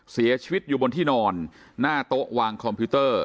เสียชีวิตอยู่บนที่นอนหน้าโต๊ะวางคอมพิวเตอร์